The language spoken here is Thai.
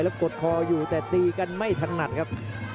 แล้วกดคออยู่แต่ตีกันไม่ถนัดครับ